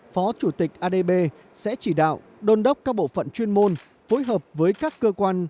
phó chủ tịch adb sẽ chỉ đạo đôn đốc các bộ phận chuyên môn phối hợp với các cơ quan